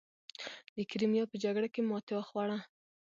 د کریمیا په جګړه کې ماتې وخوړه.